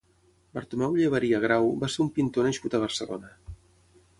Bartomeu Llebaria Grau va ser un pintor nascut a Barcelona.